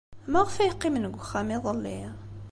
Maɣef ay qqimen deg uxxam iḍelli?